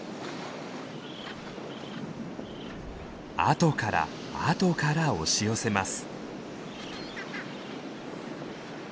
後から後から押し寄せます。